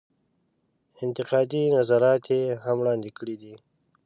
انتقادي نظرات یې هم وړاندې کړي دي.